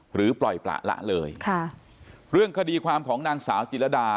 หรือปล่อยประละเลยค่ะเรื่องคดีความของนางสาวจิรดา